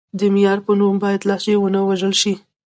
د معیار په نوم باید لهجې ونه وژل شي.